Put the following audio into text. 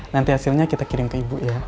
nanti hasilnya kita kirim ke ibu ya